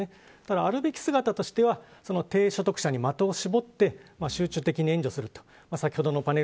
あるべき姿としては低所得者に的を絞って集中的に援助するということです。